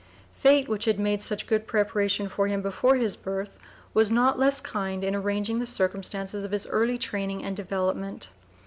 Fate, which had made such good preparation for him before his birth, was not less kind in arranging the circumstances of his early training and development.